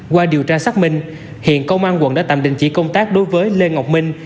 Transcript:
qua điều tra xác minh hiện công an quận đã tạm đình chỉ công tác đối với lê ngọc minh